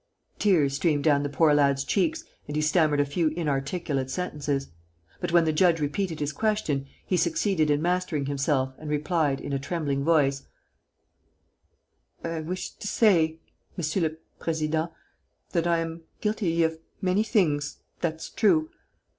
Tears streamed down the poor lad's cheeks and he stammered a few inarticulate sentences. But, when the judge repeated his question, he succeeded in mastering himself and replied, in a trembling voice: "I wish to say, monsieur le president, that I am guilty of many things, that's true....